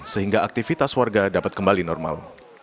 sehingga aktivitas warga dapat kembali normal